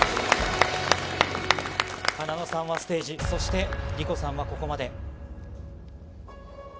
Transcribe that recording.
はなのさんはステージ、そしてリコさんはここまで。